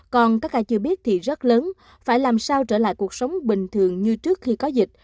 còn các ai chưa biết thì rất lớn phải làm sao trở lại cuộc sống bình thường như trước khi có dịch